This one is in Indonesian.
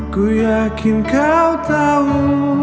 ku yakin kau tahu